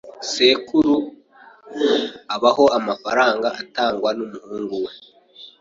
Sekuru abaho amafaranga atangwa n'umuhungu we.